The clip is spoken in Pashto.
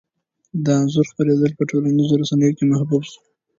د انځور خپرېدل په ټولنیزو رسنیو کې محبوب شو.